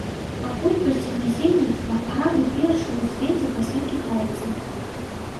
Па колькасці насельніцтва арабы першыя ў свеце пасля кітайцаў.